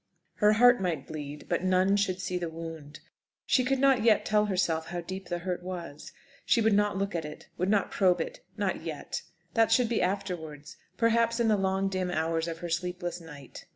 Her heart might bleed, but none should see the wound. She could not yet tell herself how deep the hurt was. She would not look at it, would not probe it. Not yet! That should be afterwards; perhaps in the long dim hours of her sleepless night.